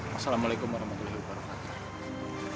wassalamualaikum warahmatullahi wabarakatuh